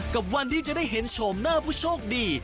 กับวันที่จะได้เห็นโฉมหน้าผู้โชคดี